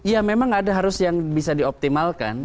ya memang ada harus yang bisa dioptimalkan